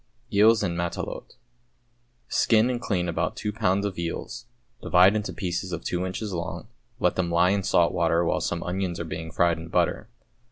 =Eels, en Matelote.= Skin and clean about two pounds of eels, divide into pieces of two inches long, let them lie in salt water while some onions are being fried in butter.